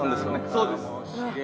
そうです。